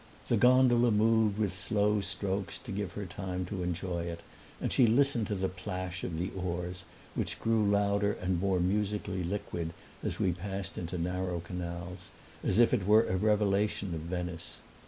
The gondola moved with slow strokes, to give her time to enjoy it, and she listened to the plash of the oars, which grew louder and more musically liquid as we passed into narrow canals, as if it were a revelation of Venice.